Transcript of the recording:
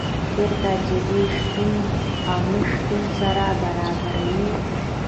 چېرته چي دي شتون او نه شتون سره برابر وي